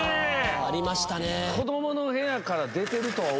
ありましたね。